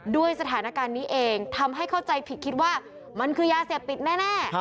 ด้วยสถานการณ์นี้เองทำให้เข้าใจผิดคิดว่ามันคือยาเสพติดแน่